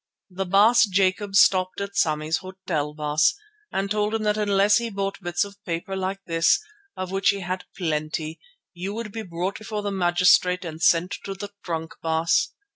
The Baas Jacob stopped at Sammy's hotel, Baas, and told him that unless he bought bits of paper like this, of which he had plenty, you would be brought before the magistrate and sent to the trunk, Baas.